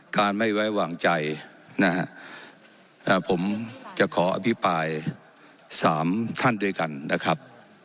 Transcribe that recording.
การไม่ไว้วางใจนะครับผมจะขออภิปัยสามท่านด้วยกันนะครับ